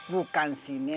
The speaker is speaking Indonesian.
bukan si nielan